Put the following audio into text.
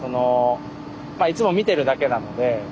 まあいつも見てるだけなので。